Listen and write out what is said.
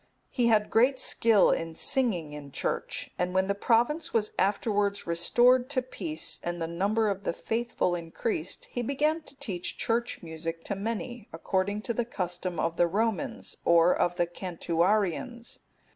He had great skill in singing in church, and when the province was afterwards restored to peace, and the number of the faithful increased, he began to teach church music to many, according to the custom of the Romans, or of the Cantuarians.